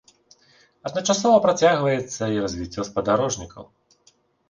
Адначасова працягваецца і развіццё спадарожнікаў.